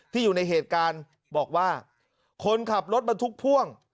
อยู่ในเหตุการณ์บอกว่าคนขับรถบรรทุกพ่วง